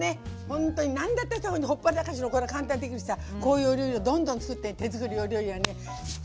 ほんとに何だってほっぽらかしの簡単にできるしさこういうお料理をどんどん作って手作りの料理はね